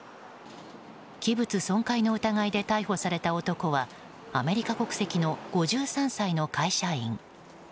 器物損壊の疑いで逮捕された男はアメリカ国籍の５３歳の会社員。